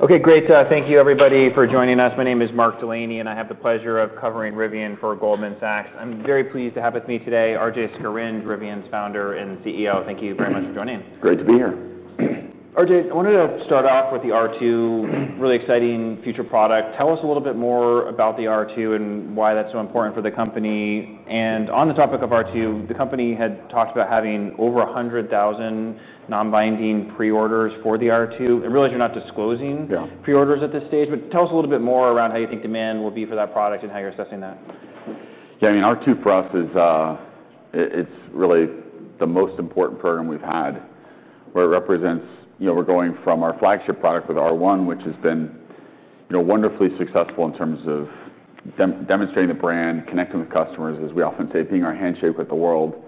Okay, great. Thank you, everybody, for joining us. My name is Mark Delaney, and I have the pleasure of covering Rivian Automotive for Goldman Sachs. I'm very pleased to have with me today RJ Scaringe, Rivian Automotive's Founder and CEO. Thank you very much for joining. It's great to be here. RJ, I wanted to start off with the R2, really exciting future product. Tell us a little bit more about the R2 and why that's so important for the company. On the topic of R2, the company had talked about having over 100,000 non-binding pre-orders for the R2. I realize you're not disclosing pre-orders at this stage, but tell us a little bit more around how you think demand will be for that product and how you're assessing that. Yeah, I mean, R2 for us is, it's really the most important program we've had where it represents, you know, we're going from our flagship product with R1, which has been, you know, wonderfully successful in terms of demonstrating the brand, connecting with customers, as we often say, being our handshake with the world.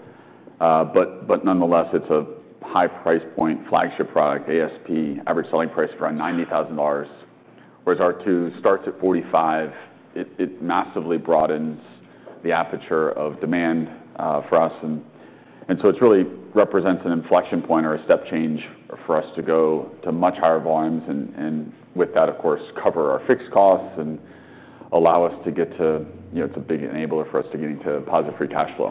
Nonetheless, it's a high price point flagship product, ASP, average selling price for around $90,000, whereas R2 starts at $45,000. It massively broadens the aperture of demand for us. It really represents an inflection point or a step change for us to go to much higher volumes. With that, of course, cover our fixed costs and allow us to get to, you know, it's a big enabler for us to getting to positive free cash flow.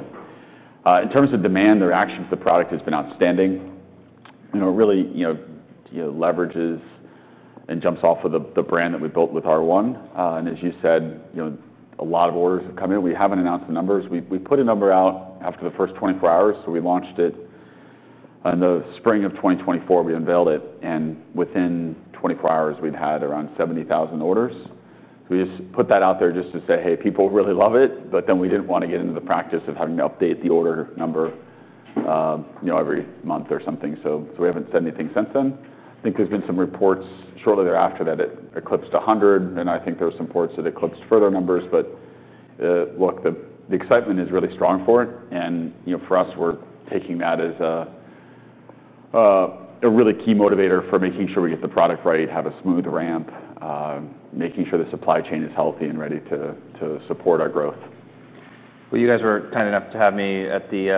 In terms of demand, the reaction to the product has been outstanding. You know, it really, you know, leverages and jumps off of the brand that we built with R1. As you said, you know, a lot of orders have come in. We haven't announced the numbers. We put a number out after the first 24 hours. We launched it in the spring of 2024. We unveiled it, and within 24 hours, we'd had around 70,000 orders. We just put that out there just to say, hey, people really love it. We didn't want to get into the practice of having to update the order number, you know, every month or something. We haven't said anything since then. I think there's been some reports shortly thereafter that it eclipsed 100. I think there were some reports that it eclipsed further numbers. The excitement is really strong for it. For us, we're taking that as a really key motivator for making sure we get the product right, have a smooth ramp, making sure the supply chain is healthy and ready to support our growth. You guys were kind enough to have me at the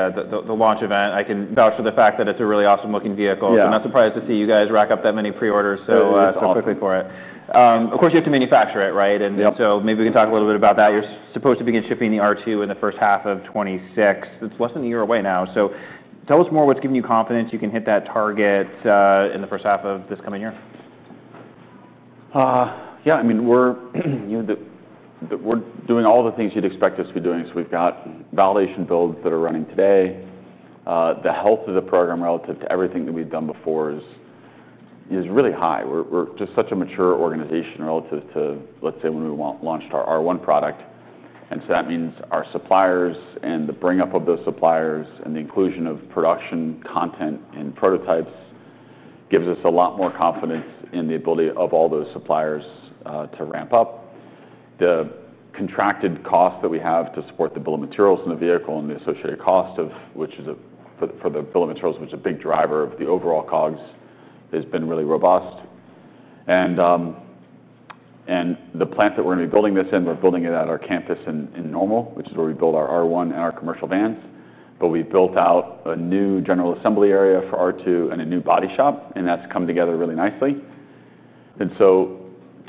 launch event. I can vouch for the fact that it's a really awesome looking vehicle. I'm not surprised to see you guys rack up that many pre-orders so quickly for it. Of course, you have to manufacture it, right? Maybe we can talk a little bit about that. You're supposed to begin shipping the R2 in the first half of 2026. It's less than a year away now. Tell us more, what's giving you confidence you can hit that target in the first half of this coming year. Yeah, I mean, we're doing all the things you'd expect us to be doing. We've got validation builds that are running today. The health of the program relative to everything that we've done before is really high. We're just such a mature organization relative to, let's say, when we launched our R1 product. That means our suppliers and the bring-up of those suppliers and the inclusion of production content and prototypes gives us a lot more confidence in the ability of all those suppliers to ramp up. The contracted cost that we have to support the bill of materials in the vehicle and the associated cost, which is for the bill of materials, which is a big driver of the overall COGS, has been really robust. The plant that we're going to be building this in, we're building it at our campus in Normal, Illinois, which is where we build our R1 and our commercial vans. We built out a new general assembly area for R2 and a new body shop, and that's come together really nicely.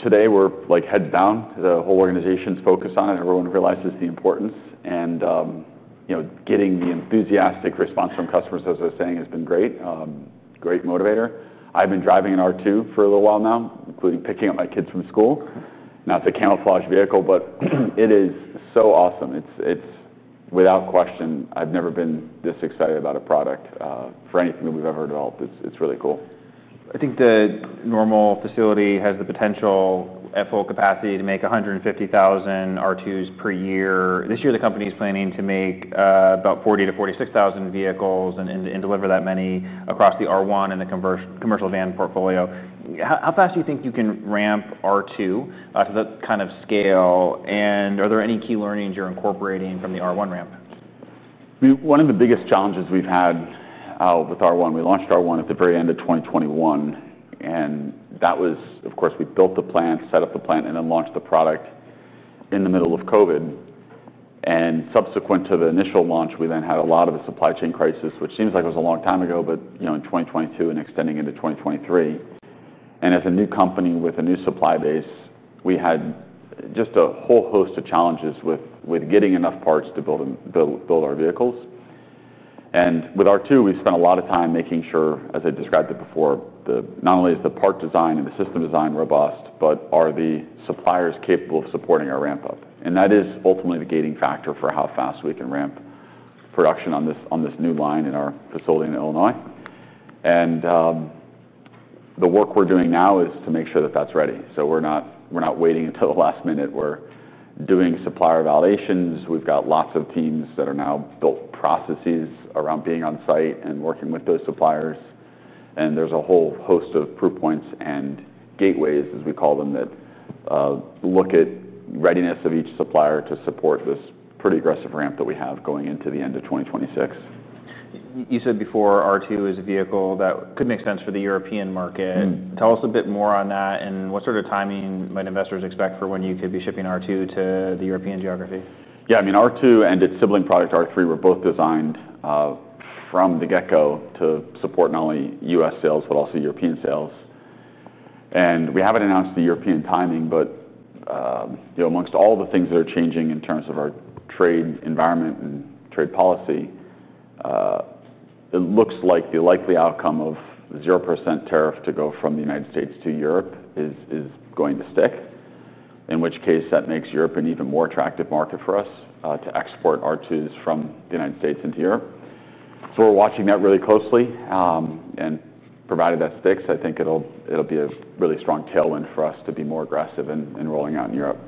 Today we're like head down. The whole organization's focused on it. Everyone realizes the importance. Getting the enthusiastic response from customers, as I was saying, has been great. Great motivator. I've been driving an R2 for a little while now, including picking up my kids from school. It's a camouflage vehicle, but it is so awesome. It's, without question, I've never been this excited about a product for anything that we've ever developed. It's really cool. I think the Normal facility has the potential at full capacity to make 150,000 R2s per year. This year, the company is planning to make about 40,000 to 46,000 vehicles and deliver that many across the R1 and the commercial van portfolio. How fast do you think you can ramp R2 to that kind of scale? Are there any key learnings you're incorporating from the R1 ramp? One of the biggest challenges we've had with R1, we launched R1 at the very end of 2021. That was, of course, we built the plant, set up the plant, and then launched the product in the middle of COVID. Subsequent to the initial launch, we then had a lot of the supply chain crisis, which seems like it was a long time ago, but in 2022 and extending into 2023. As a new company with a new supply base, we had just a whole host of challenges with getting enough parts to build our vehicles. With R2, we spent a lot of time making sure, as I described it before, not only is the part design and the system design robust, but are the suppliers capable of supporting our ramp up? That is ultimately the gating factor for how fast we can ramp production on this new line in our facility in Illinois. The work we're doing now is to make sure that that's ready. We're not waiting until the last minute. We're doing supplier validations. We've got lots of teams that are now built processes around being on site and working with those suppliers. There's a whole host of proof points and gateways, as we call them, that look at readiness of each supplier to support this pretty aggressive ramp that we have going into the end of 2026. You said before R2 is a vehicle that could make sense for the European market. Tell us a bit more on that and what sort of timing might investors expect for when you could be shipping R2 to the European geography. Yeah, I mean, R2 and its sibling product, R3, were both designed from the get-go to support not only U.S. sales, but also European sales. We haven't announced the European timing, but amongst all the things that are changing in terms of our trade environment and trade policy, it looks like the likely outcome of 0% tariff to go from the United States to Europe is going to stick, in which case that makes Europe an even more attractive market for us to export R2s from the United States into Europe. We're watching that really closely. Provided that sticks, I think it'll be a really strong tailwind for us to be more aggressive in rolling out in Europe.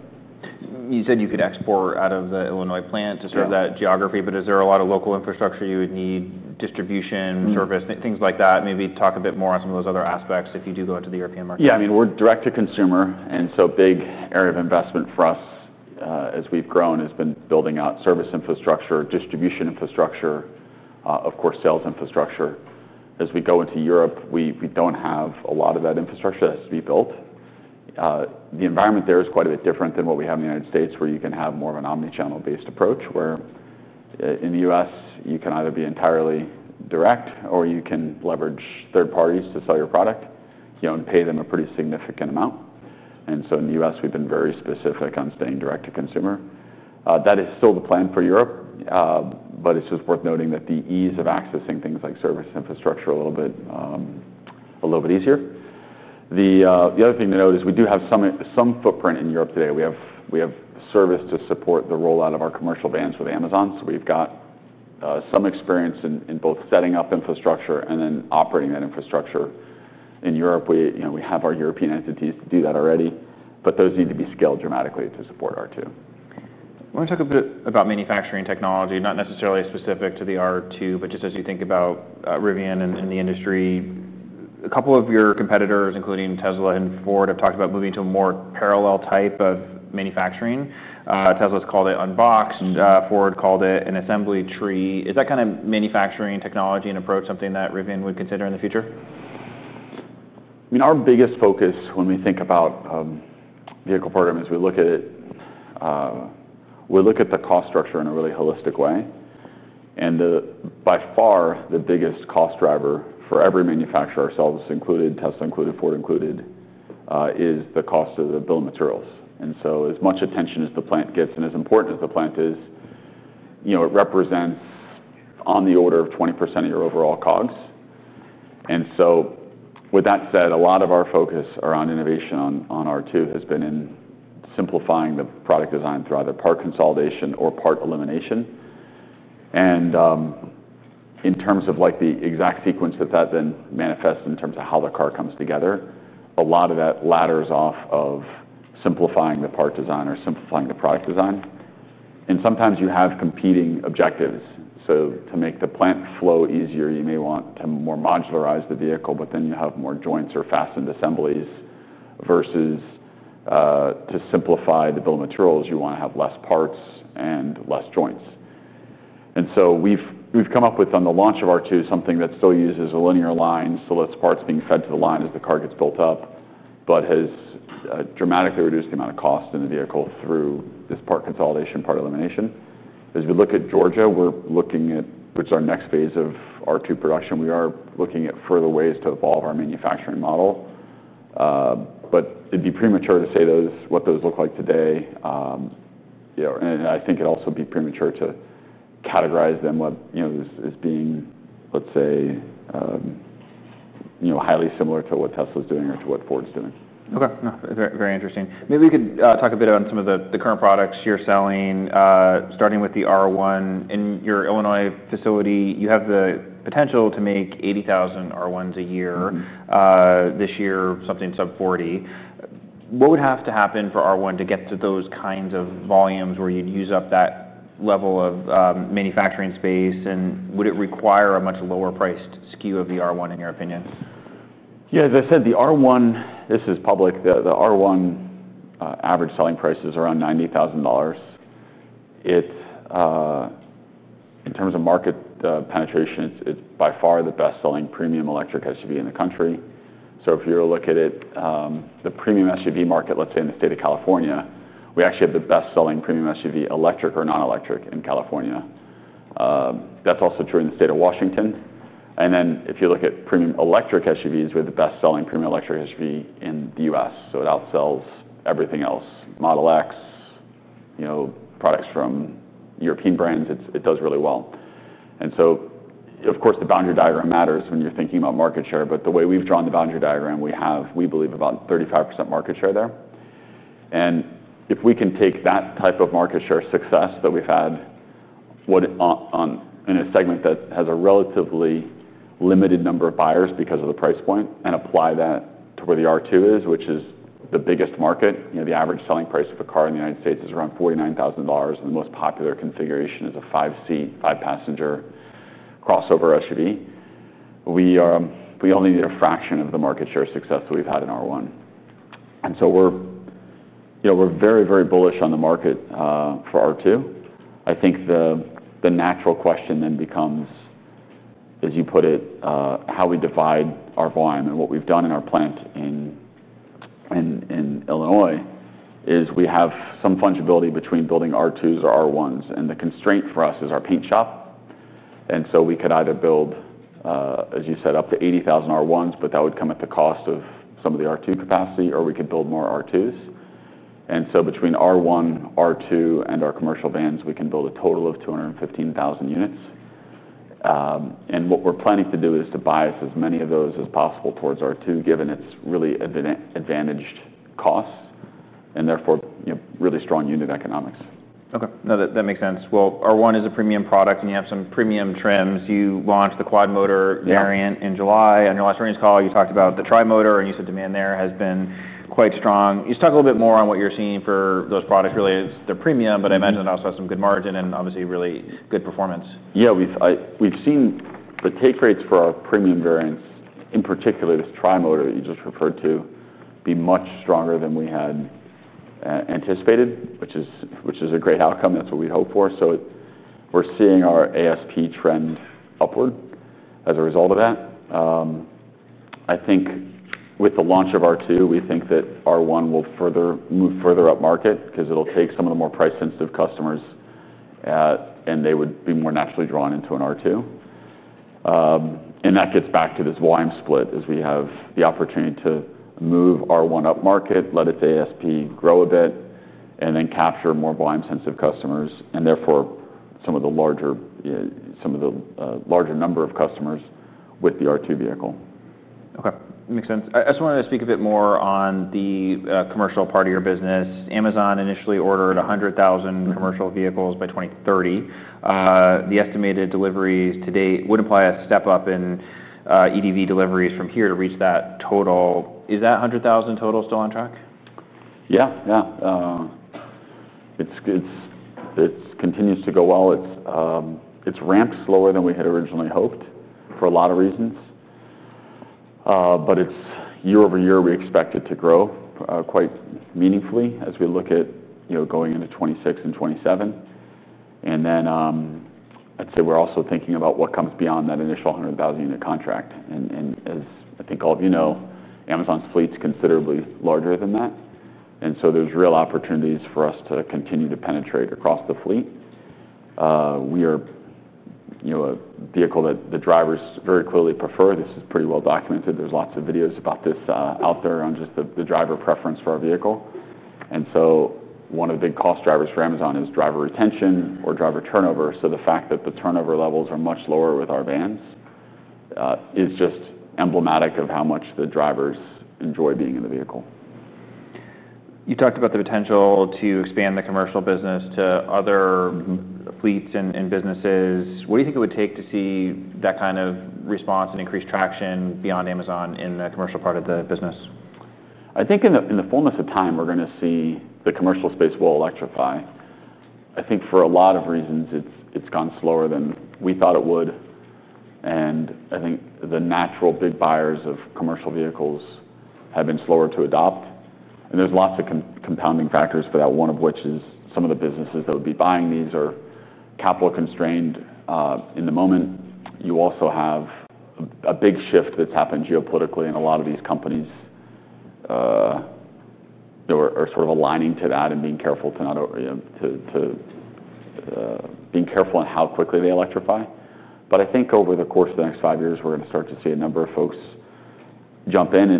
You said you could export out of the Illinois plant to serve that geography, but is there a lot of local infrastructure you would need, distribution, service, things like that? Maybe talk a bit more on some of those other aspects if you do go into the European market. Yeah, I mean, we're direct to consumer, and a big area of investment for us as we've grown has been building out service infrastructure, distribution infrastructure, of course, sales infrastructure. As we go into Europe, we don't have a lot of that infrastructure that has to be built. The environment there is quite a bit different than what we have in the U.S., where you can have more of an omnichannel-based approach, where in the U.S., you can either be entirely direct or you can leverage third parties to sell your product. You can pay them a pretty significant amount. In the U.S., we've been very specific on staying direct to consumer. That is still the plan for Europe, but it's just worth noting that the ease of accessing things like service infrastructure is a little bit easier. The other thing to note is we do have some footprint in Europe today. We have service to support the rollout of our commercial vans with Amazon. We've got some experience in both setting up infrastructure and then operating that infrastructure. In Europe, we have our European entities to do that already, but those need to be scaled dramatically to support R2. I want to talk a bit about manufacturing technology, not necessarily specific to the R2, but just as you think about Rivian and the industry. A couple of your competitors, including Tesla and Ford, have talked about moving to a more parallel type of manufacturing. Tesla's called it unboxed. Ford called it an assembly tree. Is that kind of manufacturing technology and approach something that Rivian would consider in the future? I mean, our biggest focus when we think about vehicle program is we look at it, we look at the cost structure in a really holistic way. By far, the biggest cost driver for every manufacturer, ourselves, including Tesla, including Ford, is the cost of the bill of materials. As much attention as the plant gets and as important as the plant is, it represents on the order of 20% of your overall COGS. With that said, a lot of our focus around innovation on R2 has been in simplifying the product design through either part consolidation or part elimination. In terms of the exact sequence that that then manifests in terms of how the car comes together, a lot of that ladders off of simplifying the part design or simplifying the product design. Sometimes you have competing objectives. To make the plant flow easier, you may want to more modularize the vehicle, but then you have more joints or fastened assemblies. Versus to simplify the bill of materials, you want to have less parts and less joints. We've come up with, on the launch of R2, something that still uses a linear line, so less parts being fed to the line as the car gets built up, but has dramatically reduced the amount of cost in the vehicle through this part consolidation, part elimination. As we look at Georgia, which is our next phase of R2 production, we are looking at further ways to evolve our manufacturing model. It'd be premature to say what those look like today. It'd also be premature to categorize them as being, let's say, highly similar to what Tesla's doing or to what Ford's doing. Okay, very interesting. Maybe we could talk a bit on some of the current products you're selling, starting with the R1. In your Illinois facility, you have the potential to make 80,000 R1s a year. This year, something sub $40,000. What would have to happen for R1 to get to those kinds of volumes where you'd use up that level of manufacturing space? Would it require a much lower priced SKU of the R1, in your opinion? Yeah, as I said, the R1, this is public, the R1 average selling price is around $90,000. In terms of market penetration, it's by far the best selling premium electric SUV in the country. If you look at the premium SUV market, let's say in the state of California, we actually have the best selling premium SUV, electric or non-electric, in California. That's also true in the state of Washington. If you look at premium electric SUVs, we have the best selling premium electric SUV in the U.S. It outsells everything else, Model X, products from European brands. It does really well. Of course, the boundary diagram matters when you're thinking about market share, but the way we've drawn the boundary diagram, we have, we believe, about 35% market share there. If we can take that type of market share success that we've had in a segment that has a relatively limited number of buyers because of the price point and apply that to where the R2 is, which is the biggest market. The average selling price of a car in the United States is around $49,000, and the most popular configuration is a five-seat, five-passenger crossover SUV. We only need a fraction of the market share success that we've had in R1. We're very, very bullish on the market for R2. I think the natural question then becomes, as you put it, how we divide our volume. What we've done in our plant in Illinois is we have some fungibility between building R2s or R1s. The constraint for us is our paint shop. We could either build, as you said, up to 80,000 R1s, but that would come at the cost of some of the R2 capacity, or we could build more R2s. Between R1, R2, and our commercial vans, we can build a total of 215,000 units. What we're planning to do is to bias as many of those as possible towards R2, given its really advantaged costs and therefore really strong unit economics. Okay, that makes sense. R1 is a premium product, and you have some premium trims. You launched the quad motor variant in July. On your last earnings call, you talked about the tri motor, and you said demand there has been quite strong. Can you talk a little bit more on what you're seeing for those products? Really, it's the premium, but I imagine it also has some good margin and obviously really good performance. Yeah, we've seen the take rates for our premium variant, in particular this tri motor that you just referred to, be much stronger than we had anticipated, which is a great outcome. That's what we hope for. We're seeing our ASP trend upward as a result of that. I think with the launch of R2, we think that R1 will further move further up market because it'll take some of the more price-sensitive customers, and they would be more naturally drawn into an R2. That gets back to this volume split as we have the opportunity to move R1 up market, let its ASP grow a bit, and then capture more volume-sensitive customers and therefore some of the larger number of customers with the R2 vehicle. Okay, makes sense. I just wanted to speak a bit more on the commercial part of your business. Amazon initially ordered 100,000 commercial vehicles by 2030. The estimated deliveries to date would imply a step up in EDV deliveries from here to reach that total. Is that 100,000 total still on track? Yeah, yeah. It continues to go well. It's ramped slower than we had originally hoped for a lot of reasons, but year over year, we expect it to grow quite meaningfully as we look at going into 2026 and 2027. We're also thinking about what comes beyond that initial 100,000 unit contract. As I think all of you know, Amazon's fleet is considerably larger than that, and there's real opportunities for us to continue to penetrate across the fleet. We are a vehicle that the drivers very clearly prefer. This is pretty well documented. There are lots of videos about this out there on just the driver preference for our vehicle. One of the big cost drivers for Amazon is driver retention or driver turnover. The fact that the turnover levels are much lower with our vans is just emblematic of how much the drivers enjoy being in the vehicle. You talked about the potential to expand the commercial business to other fleets and businesses. What do you think it would take to see that kind of response and increased traction beyond Amazon in the commercial part of the business? I think in the fullness of time, we're going to see the commercial space will electrify. I think for a lot of reasons, it's gone slower than we thought it would. I think the natural big buyers of commercial vehicles have been slower to adopt. There are lots of compounding factors for that, one of which is some of the businesses that would be buying these are capital constrained in the moment. You also have a big shift that's happened geopolitically, and a lot of these companies are sort of aligning to that and being careful in how quickly they electrify. I think over the course of the next five years, we're going to start to see a number of folks jump in.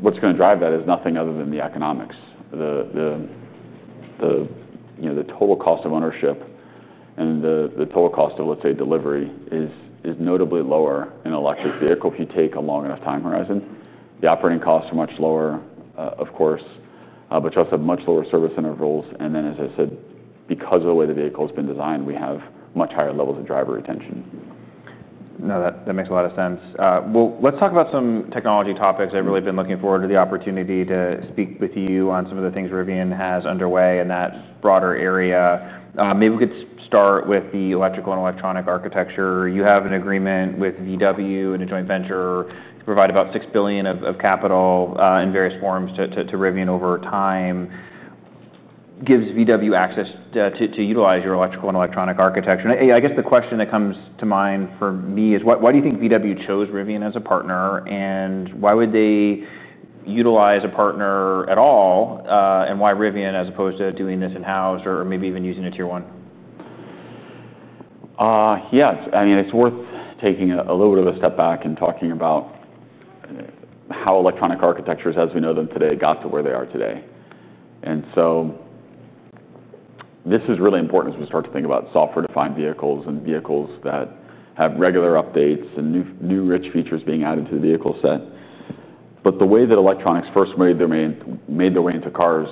What's going to drive that is nothing other than the economics. The total cost of ownership and the total cost of, let's say, delivery is notably lower in an electric vehicle if you take a long enough time horizon. The operating costs are much lower, of course, but you also have much lower service intervals. As I said, because of the way the vehicle has been designed, we have much higher levels of driver retention. No, that makes a lot of sense. Let's talk about some technology topics. I've really been looking forward to the opportunity to speak with you on some of the things Rivian has underway in that broader area. Maybe we could start with the electrical and electronic architecture. You have an agreement with Volkswagen Group and a joint venture to provide about $6 billion of capital in various forms to Rivian over time. It gives Volkswagen Group access to utilize your electrical and electronic architecture. I guess the question that comes to mind for me is why do you think Volkswagen Group chose Rivian as a partner? Why would they utilize a partner at all? Why Rivian as opposed to doing this in-house or maybe even using a tier one? Yeah, I mean, it's worth taking a little bit of a step back and talking about how electronic architectures, as we know them today, got to where they are today. This is really important as we start to think about software-defined vehicles and vehicles that have regular updates and new rich features being added to the vehicle set. The way that electronics first made their way into cars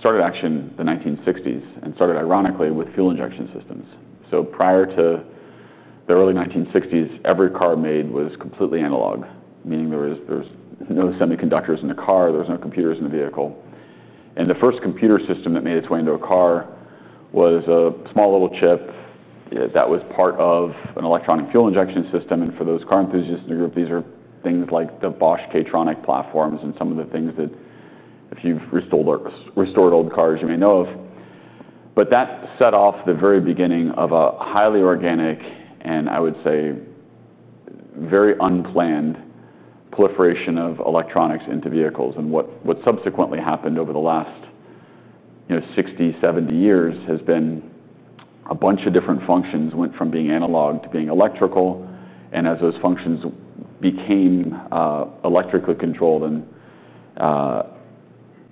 started actually in the 1960s and started ironically with fuel injection systems. Prior to the early 1960s, every car made was completely analog, meaning there were no semiconductors in a car. There were no computers in a vehicle. The first computer system that made its way into a car was a small little chip that was part of an electronic fuel injection system. For those car enthusiasts in the group, these are things like the Bosch K-Tronic platforms and some of the things that, if you've restored old cars, you may know of. That set off the very beginning of a highly organic and, I would say, very unplanned proliferation of electronics into vehicles. What subsequently happened over the last 60, 70 years has been a bunch of different functions went from being analog to being electrical. As those functions became electrically controlled,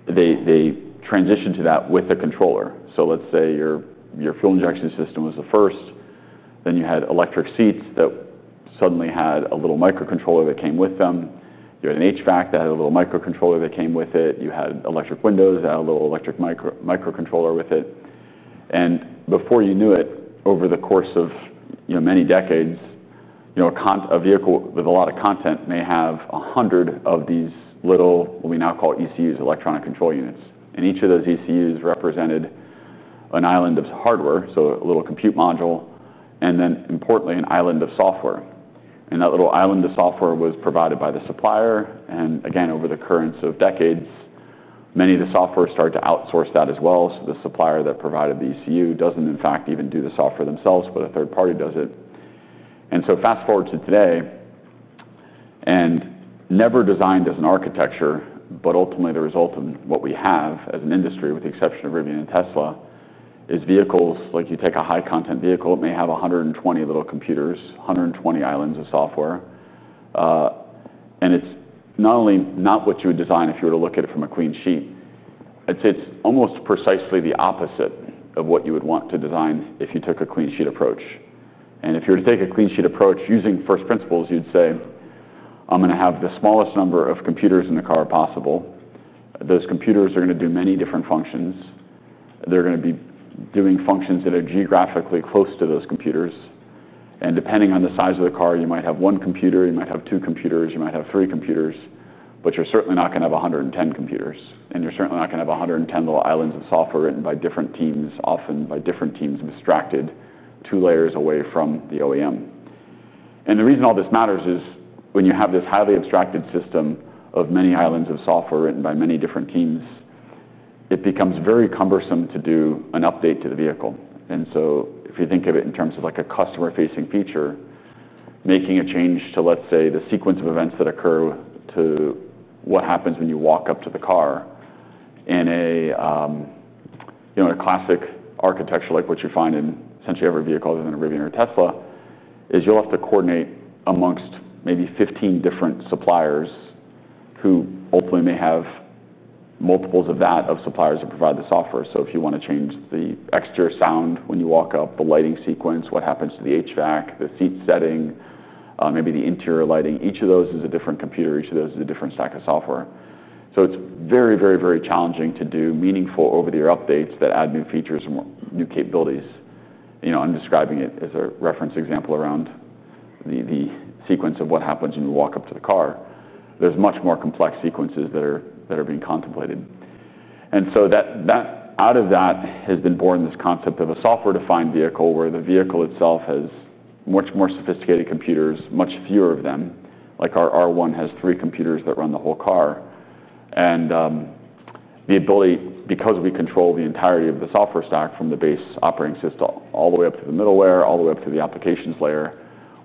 they transitioned to that with a controller. Let's say your fuel injection system was the first. Then you had electric seats that suddenly had a little microcontroller that came with them. You had an HVAC that had a little microcontroller that came with it. You had electric windows that had a little electric microcontroller with it. Before you knew it, over the course of many decades, a vehicle with a lot of content may have 100 of these little, what we now call ECUs, electronic control units. Each of those ECUs represented an island of hardware, so a little compute module, and then, importantly, an island of software. That little island of software was provided by the supplier. Over the currents of decades, many of the software started to outsource that as well. The supplier that provided the ECU doesn't, in fact, even do the software themselves, but a third party does it. Fast forward to today, and never designed as an architecture, but ultimately the result of what we have as an industry, with the exception of Rivian Automotive and Tesla, is vehicles. Like you take a high-content vehicle, it may have 120 little computers, 120 islands of software. It is not only not what you would design if you were to look at it from a clean sheet. I'd say it's almost precisely the opposite of what you would want to design if you took a clean sheet approach. If you were to take a clean sheet approach using first principles, you'd say, I'm going to have the smallest number of computers in the car possible. Those computers are going to do many different functions. They're going to be doing functions that are geographically close to those computers. Depending on the size of the car, you might have one computer, you might have two computers, you might have three computers, but you're certainly not going to have 110 computers. You're certainly not going to have 110 little islands of software written by different teams, often by different teams abstracted, two layers away from the OEM. The reason all this matters is when you have this highly abstracted system of many islands of software written by many different teams, it becomes very cumbersome to do an update to the vehicle. If you think of it in terms of a customer-facing feature, making a change to, let's say, the sequence of events that occur to what happens when you walk up to the car in a classic architecture, like what you find in essentially every vehicle other than a Rivian or Tesla, you'll have to coordinate amongst maybe 15 different suppliers who ultimately may have multiples of that of suppliers who provide the software. If you want to change the exterior sound when you walk up, the lighting sequence, what happens to the HVAC, the seat setting, maybe the interior lighting, each of those is a different computer, each of those is a different stack of software. It is very, very, very challenging to do meaningful over-the-air updates that add new features and new capabilities. I'm describing it as a reference example around the sequence of what happens when you walk up to the car. There are much more complex sequences that are being contemplated. Out of that has been born this concept of a software-defined vehicle where the vehicle itself has much more sophisticated computers, much fewer of them. Like our R1 has three computers that run the whole car. The ability, because we control the entirety of the software stack from the base operating system all the way up to the middle layer, all the way up to the applications layer,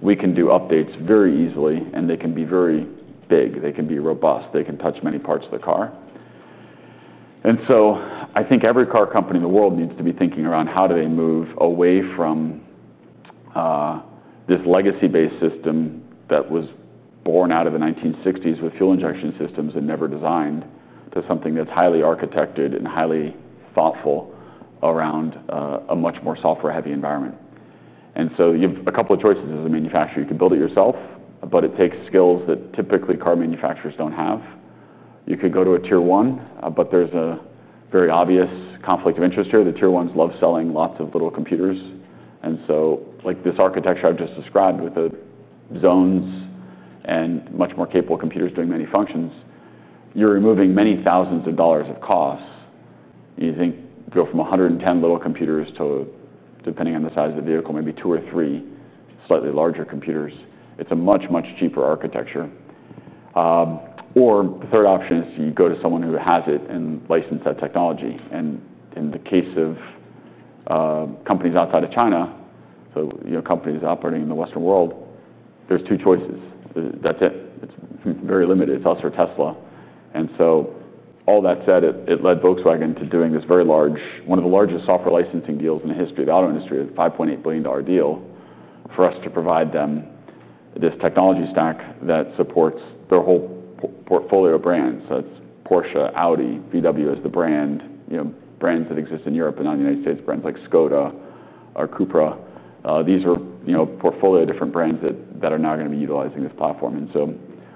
we can do updates very easily, and they can be very big. They can be robust. They can touch many parts of the car. I think every car company in the world needs to be thinking around how do they move away from this legacy-based system that was born out of the 1960s with fuel injection systems and never designed to something that's highly architected and highly thoughtful around a much more software-heavy environment. You have a couple of choices as a manufacturer. You can build it yourself, but it takes skills that typically car manufacturers don't have. You could go to a tier one, but there's a very obvious conflict of interest here. The tier ones love selling lots of little computers. Like this architecture I've just described with the zones and much more capable computers doing many functions, you're removing many thousands of dollars of costs. You go from 110 little computers to, depending on the size of the vehicle, maybe two or three slightly larger computers. It's a much, much cheaper architecture. The third option is you go to someone who has it and licenses that technology. In the case of companies outside of China, companies operating in the Western world, there's two choices. That's it. It's very limited. It's us or Tesla. All that said, it led Volkswagen to doing this very large, one of the largest software licensing deals in the history of the auto industry, a $5.8 billion deal for us to provide them this technology stack that supports their whole portfolio of brands. It's Porsche, Audi, VW is the brand, brands that exist in Europe and not in the United States, brands like Skoda or Cupra. These are a portfolio of different brands that are now going to be utilizing this platform.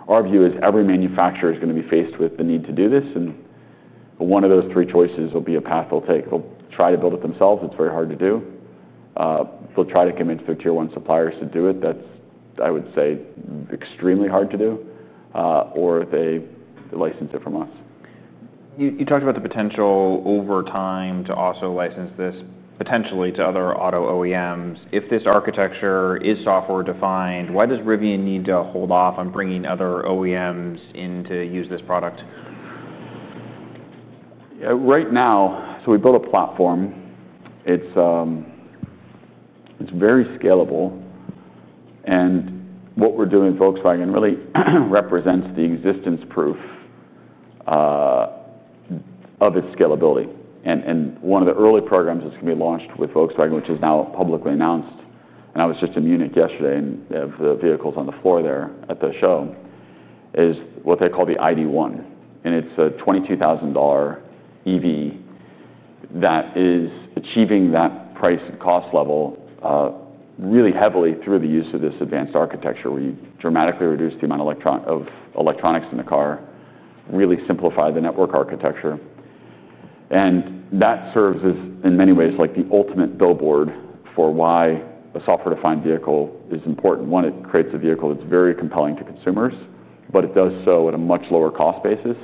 Our view is every manufacturer is going to be faced with the need to do this. One of those three choices will be a path they'll take. They'll try to build it themselves. It's very hard to do. They'll try to convince their tier one suppliers to do it. That's, I would say, extremely hard to do. Or they license it from us. You talked about the potential over time to also license this potentially to other auto OEMs. If this architecture is software-defined, why does Rivian need to hold off on bringing other OEMs in to use this product? Yeah, right now, we built a platform. It's very scalable. What we're doing at Volkswagen really represents the existence proof of its scalability. One of the early programs that's going to be launched with Volkswagen, which is now publicly announced, and I was just in Munich yesterday, and they have the vehicles on the floor there at the show, is what they call the ID.1. It's a $22,000 EV that is achieving that price and cost level really heavily through the use of this advanced architecture, where you dramatically reduce the amount of electronics in the car, really simplify the network architecture. That serves as, in many ways, like the ultimate billboard for why a software-defined vehicle is important. One, it creates a vehicle that's very compelling to consumers, but it does so at a much lower cost basis.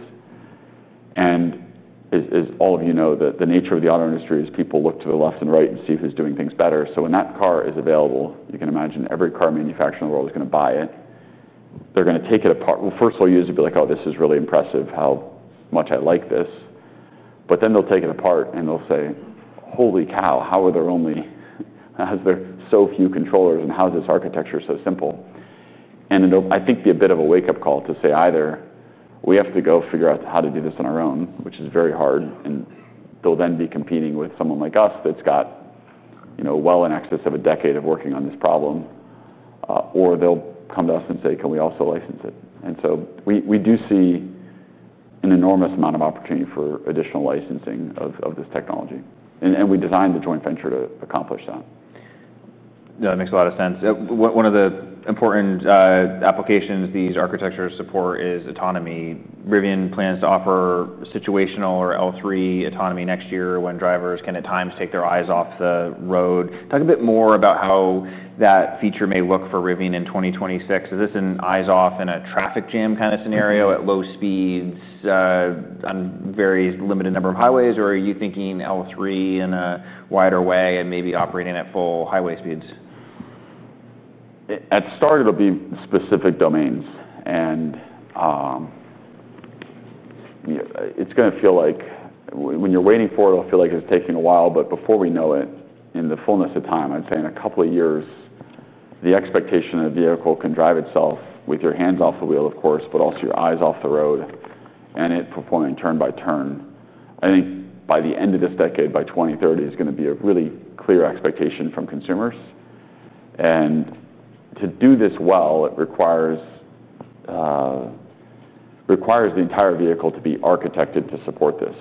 As all of you know, the nature of the auto industry is people look to the left and right and see who's doing things better. When that car is available, you can imagine every car manufacturer in the world is going to buy it. They're going to take it apart. Usually, they'll be like, oh, this is really impressive how much I like this. Then they'll take it apart and they'll say, holy cow, how are there only, how's there so few controllers and how's this architecture so simple? I think it'll be a bit of a wake-up call to say either we have to go figure out how to do this on our own, which is very hard, and they'll then be competing with someone like us that's got, you know, well in excess of a decade of working on this problem, or they'll come to us and say, can we also license it? We do see an enormous amount of opportunity for additional licensing of this technology. We designed the joint venture to accomplish that. No, that makes a lot of sense. One of the important applications these architectures support is autonomy. Rivian plans to offer situational or Level 3 autonomy next year when drivers can at times take their eyes off the road. Talk a bit more about how that feature may look for Rivian in 2026. Is this an eyes-off and a traffic jam kind of scenario at low speeds on a very limited number of highways, or are you thinking Level 3 in a wider way and maybe operating at full highway speeds? At start, it'll be specific domains. It's going to feel like when you're waiting for it, it'll feel like it's taking a while, but before we know it, in the fullness of time, I'd say in a couple of years, the expectation that a vehicle can drive itself with your hands off the wheel, of course, but also your eyes off the road and it performing turn by turn. I think by the end of this decade, by 2030, is going to be a really clear expectation from consumers. To do this well, it requires the entire vehicle to be architected to support this.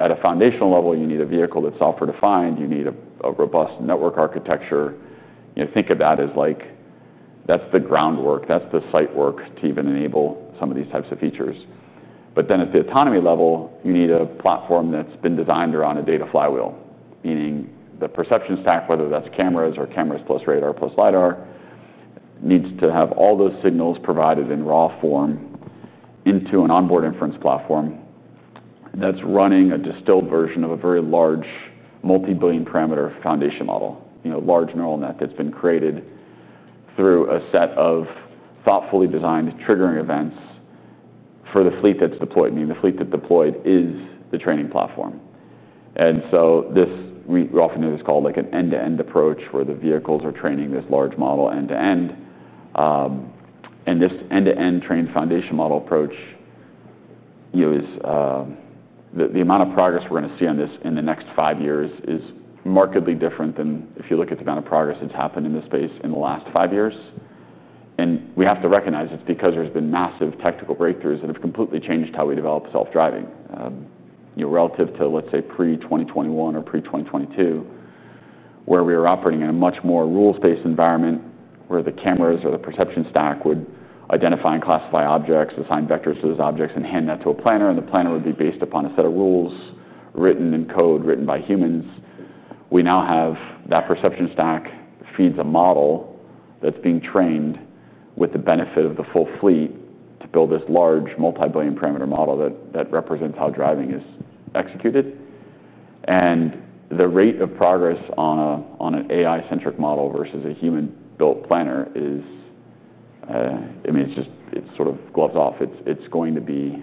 At a foundational level, you need a vehicle that's software-defined. You need a robust network architecture. Think of that as like that's the groundwork, that's the site work to even enable some of these types of features. At the autonomy level, you need a platform that's been designed around a data flywheel, meaning the perception stack, whether that's cameras or cameras plus radar plus LIDAR, needs to have all those signals provided in raw form into an onboard inference platform that's running a distilled version of a very large multi-billion parameter foundation model, large neural net that's been created through a set of thoughtfully designed triggering events for the fleet that's deployed, meaning the fleet that deployed is the training platform. We often do this called like an end-to-end approach where the vehicles are training this large model end-to-end. This end-to-end trained foundation model approach, the amount of progress we're going to see on this in the next five years is markedly different than if you look at the amount of progress that's happened in this space in the last five years. We have to recognize it's because there's been massive technical breakthroughs that have completely changed how we develop self-driving. Relative to, let's say, pre-2021 or pre-2022, where we were operating in a much more rules-based environment where the cameras or the perception stack would identify and classify objects, assign vectors to those objects, and hand that to a planner, and the planner would be based upon a set of rules written in code written by humans. We now have that perception stack feed a model that's being trained with the benefit of the full fleet to build this large multi-billion parameter model that represents how driving is executed. The rate of progress on an AI-centric model versus a human-built planner is, I mean, it's just, it sort of gloves off. It's going to be,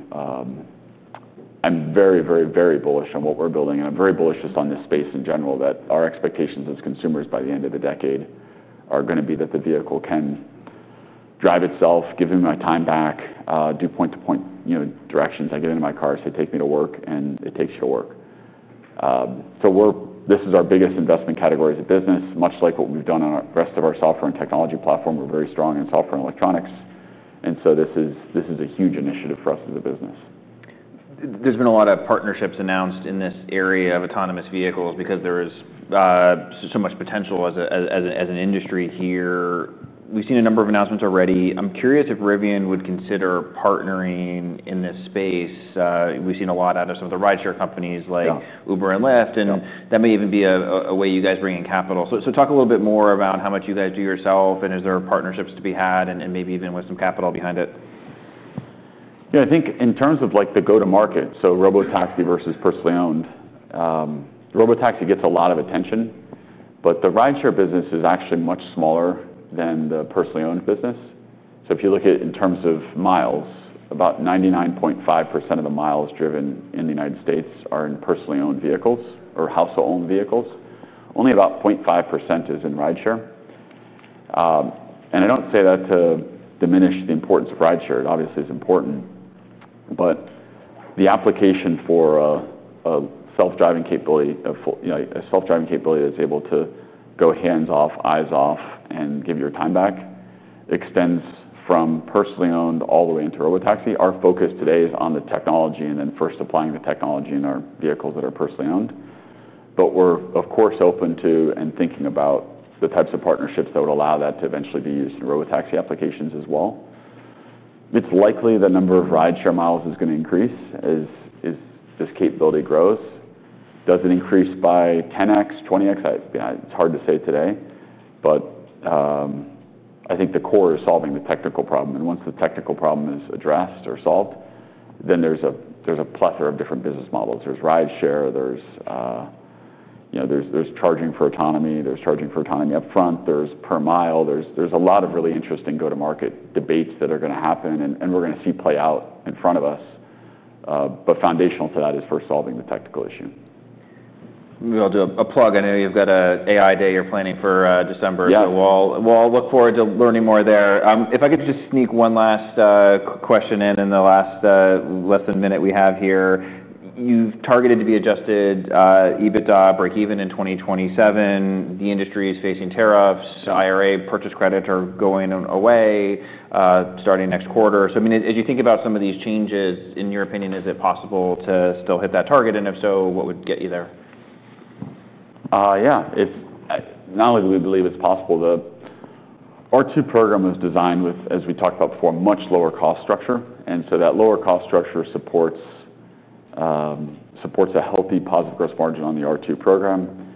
I'm very, very, very bullish on what we're building, and I'm very bullish just on this space in general. Our expectations as consumers by the end of the decade are going to be that the vehicle can drive itself, give me my time back, do point-to-point directions. I get into my car, say, take me to work, and it takes you to work. This is our biggest investment category as a business, much like what we've done on the rest of our software and technology platform. We're very strong in software and electronics, and this is a huge initiative for us as a business. There's been a lot of partnerships announced in this area of autonomous vehicles because there is so much potential as an industry here. We've seen a number of announcements already. I'm curious if Rivian would consider partnering in this space. We've seen a lot out of some of the rideshare companies like Uber and Lyft, and that may even be a way you guys bring in capital. Talk a little bit more about how much you guys do yourself and is there partnerships to be had and maybe even with some capital behind it. Yeah, I think in terms of the go-to-market, Robotaxi versus personally owned, Robotaxi gets a lot of attention, but the rideshare business is actually much smaller than the personally owned business. If you look at it in terms of miles, about 99.5% of the miles driven in the U.S. are in personally owned vehicles or household-owned vehicles. Only about 0.5% is in rideshare. I don't say that to diminish the importance of rideshare. It obviously is important, but the application for a self-driving capability, a self-driving capability that's able to go hands-off, eyes-off, and give your time back, extends from personally owned all the way into Robotaxi. Our focus today is on the technology and first applying the technology in our vehicles that are personally owned. We're, of course, open to and thinking about the types of partnerships that would allow that to eventually be used in Robotaxi applications as well. It's likely the number of rideshare miles is going to increase as this capability grows. Does it increase by 10x, 20x? It's hard to say today, but I think the core is solving the technical problem. Once the technical problem is addressed or solved, then there's a plethora of different business models. There's rideshare, there's charging for autonomy, there's charging for autonomy upfront, there's per mile, there's a lot of really interesting go-to-market debates that are going to happen and we're going to see play out in front of us. Foundational to that is first solving the technical issue. I'll do a plug. I know you've got an AI Day you're planning for December, so we'll look forward to learning more there. If I could just sneak one last question in in the last less than minute we have here, you've targeted to be adjusted EBITDA break even in 2027. The industry is facing tariffs, IRA purchase credits are going away starting next quarter. As you think about some of these changes, in your opinion, is it possible to still hit that target? If so, what would get you there? Yeah, it's not like we believe it's possible. The R2 program was designed with, as we talked about before, a much lower cost structure, and that lower cost structure supports a healthy positive gross margin on the R2 program.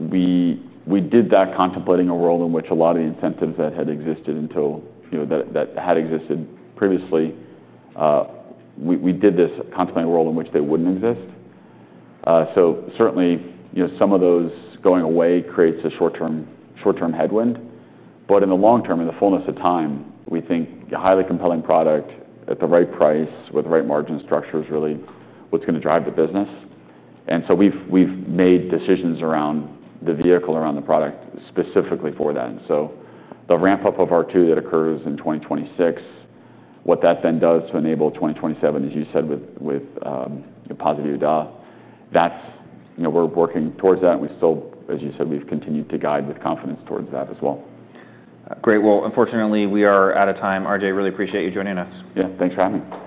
We did that contemplating a world in which a lot of the incentives that had existed previously, we did this contemplating a world in which they wouldn't exist. Certainly, you know, some of those going away create a short-term headwind. In the long term, in the fullness of time, we think a highly compelling product at the right price with the right margin structure is really what's going to drive the business. We've made decisions around the vehicle, around the product specifically for that. The ramp-up of R2 that occurs in 2026, what that then does to enable 2027, as you said, with positive EBITDA, that's, you know, we're working towards that. We still, as you said, we've continued to guide with confidence towards that as well. Great. Unfortunately, we are out of time. RJ, really appreciate you joining us. Yeah, thanks for having me.